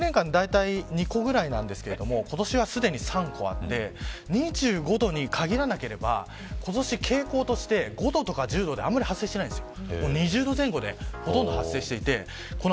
１年間大体２個ぐらいなんですが今年はすでに３個あって２５度に限らなければ今年、傾向として５度とか１０度で、あんまり発生していないんですよ。